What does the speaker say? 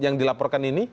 yang dilaporkan ini